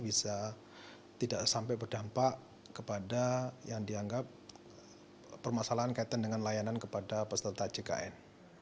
bisa tidak sampai berdampak kepada yang dianggap permasalahan kaitan dengan layanan kepada peserta jkn